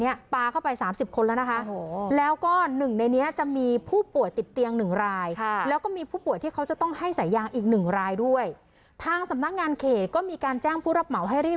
ยางอีกหนึ่งรายด้วยทางสำนักงานเขตก็มีการแจ้งผู้รับเหมาให้รีบ